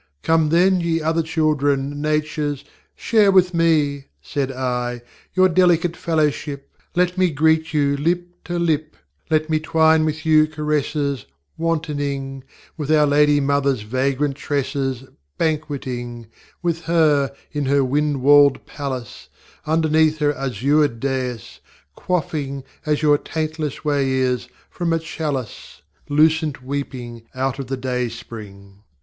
ŌĆśCome then, ye other children, NatureŌĆÖsŌĆöshare With meŌĆÖ (said I) ŌĆśyour delicate fellowship; Let me greet you lip to lip, Let me twine with you caresses, Wantoning With our Lady MotherŌĆÖs vagrant tresses, Banqueting With her in her wind walled palace, Underneath her azured da├»s, Quaffing, as your taintless way is, From a chalice Lucent weeping out of the dayspring.